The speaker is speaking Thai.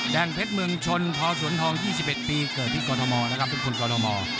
แดงเพชรเมืองชนพอสวนทอง๒๑ปีเกิดที่กรทมนะครับทุกคนกรทม